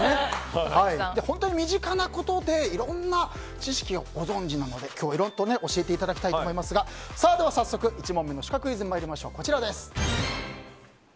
本当に身近なことでいろんな知識をご存じなので、今日はいろいろと教えていただきたいと思いますが早速１問目のシカクイズこちらです。